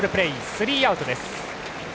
スリーアウトです。